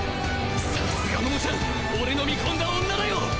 さすが百ちゃん俺の見込んだ女だよ！